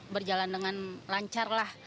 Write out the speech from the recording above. berjalan dengan lancar lah